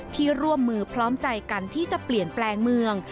ร่วมมือพร้อมใจกันที่จะเปลี่ยนแปลงเมือง